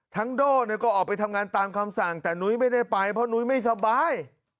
โด่ก็ออกไปทำงานตามคำสั่งแต่นุ้ยไม่ได้ไปเพราะนุ้ยไม่สบาย